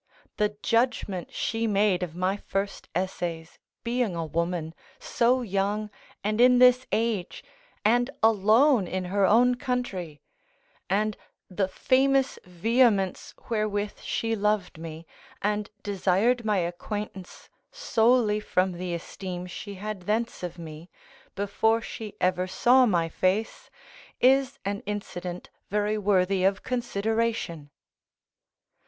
The judgment she made of my first Essays, being a woman, so young, and in this age, and alone in her own country; and the famous vehemence wherewith she loved me, and desired my acquaintance solely from the esteem she had thence of me, before she ever saw my face, is an incident very worthy of consideration.